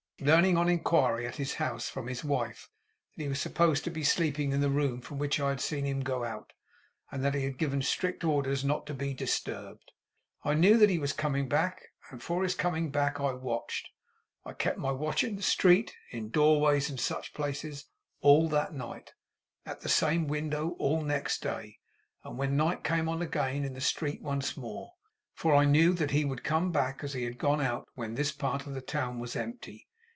Learning, on inquiry at his house from his wife, that he was supposed to be sleeping in the room from which I had seen him go out, and that he had given strict orders not to be disturbed, I knew that he was coming back; and for his coming back I watched. I kept my watch in the street in doorways, and such places all that night; at the same window, all next day; and when night came on again, in the street once more. For I knew he would come back, as he had gone out, when this part of the town was empty.